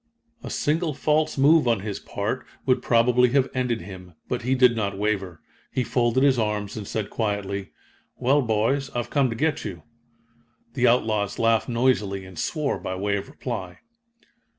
A single false move on his part would probably have ended him, but he did not waver. He folded his arms and said quietly: "Well, boys, I've come to get you." The outlaws laughed noisily and swore by way of reply.